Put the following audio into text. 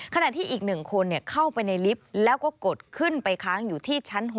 ขณะที่อีก๑คนเข้าไปในลิฟต์แล้วก็กดขึ้นไปค้างอยู่ที่ชั้น๖